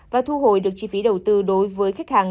và thu hồi được chi phí đầu tư đối với khách hàng